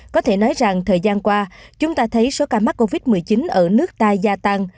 có thể nói rằng thời gian qua chúng ta thấy số ca mắc covid một mươi chín ở nước ta gia tăng